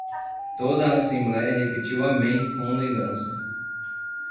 Toda a assembléia repetiu Amém com lembrança.